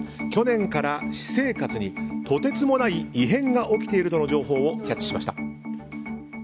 去年から私生活に、とてつもない異変が起きているとの情報をキャッチしました。